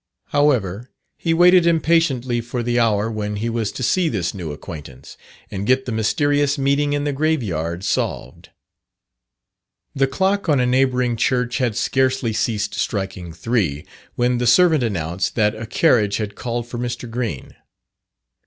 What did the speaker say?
However, he waited impatiently for the hour when he was to see this new acquaintance, and get the mysterious meeting in the grave yard solved. The clock on a neighbouring church had scarcely ceased striking three, when the servant announced that a carriage had called for Mr. Green.